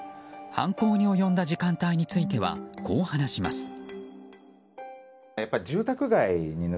犯行に及んだ時間帯についてはこう話します。